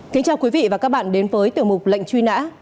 kính chào quý vị và các bạn đến với tiểu mục lệnh truy nã